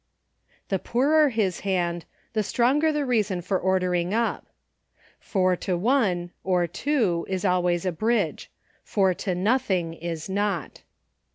The poorer his hand, the stronger the reason for ordering up. Four to one, or two, is always a Bridge — four to nothing is not.